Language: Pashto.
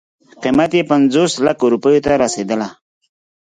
قیمت یې پنځوس لکو روپیو ته رسېدله.